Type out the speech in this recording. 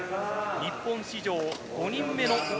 日本史上５人目の夏